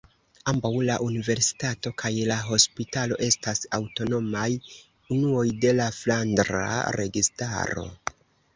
Ambaŭ la universitato kaj la hospitalo estas aŭtonomaj unuoj de la Flandra Registaro.